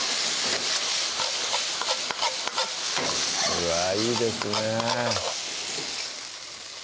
うわぁいいですね